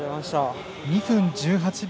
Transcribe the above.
２分１８秒